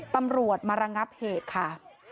ตำรวจมาระงับเหตุค่ะ